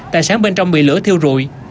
tại sáng bên trong bị lửa thiêu rụi